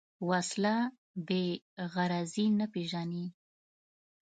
وسله بېغرضي نه پېژني